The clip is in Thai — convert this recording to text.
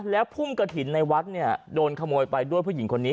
แล้วพุ่มกระถิ่นในวัดเนี่ยโดนขโมยไปด้วยผู้หญิงคนนี้